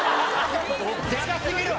でかすぎるわ！